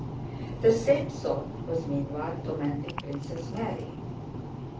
The same thought was meanwhile tormenting Princess Mary.